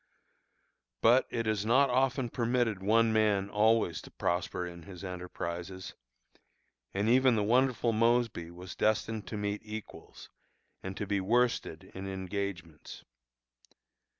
But it is not often permitted one man always to prosper in his enterprises, and even the wonderful Mosby was destined to meet equals, and to be worsted in engagements.